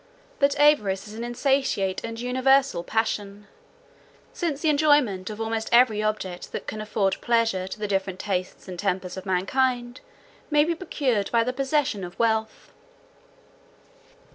But avarice is an insatiate and universal passion; since the enjoyment of almost every object that can afford pleasure to the different tastes and tempers of mankind may be procured by the possession of wealth.